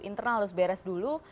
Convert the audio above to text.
internal harus beres dulu